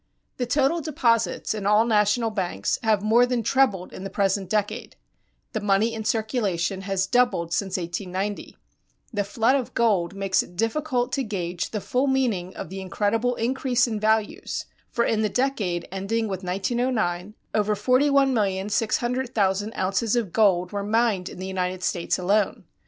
The total deposits in all national banks have more than trebled in the present decade; the money in circulation has doubled since 1890. The flood of gold makes it difficult to gage the full meaning of the incredible increase in values, for in the decade ending with 1909 over 41,600,000 ounces of gold were mined in the United States alone.